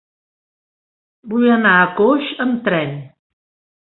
Vull anar a Coix amb tren.